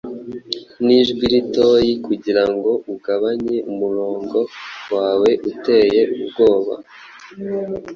Nijwi ritoyi kugirango ugabanye umurongo wawe uteye ubwoba,